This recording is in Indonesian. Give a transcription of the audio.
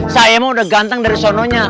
saya emang udah ganteng dari sononya